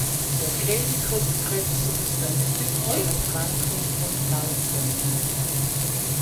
Der Kehlkopfkrebs ist eine typische Erkrankung von Rauchern.